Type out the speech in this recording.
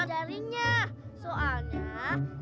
hei kelihatan itu